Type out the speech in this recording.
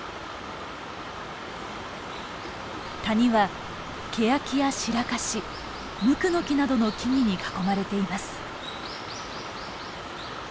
谷はケヤキやシラカシムクノキなどの木々に囲まれています。